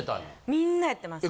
みんなやってます。